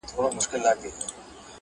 چي مو د پېغلو سره سم ګودر په کاڼو ولي!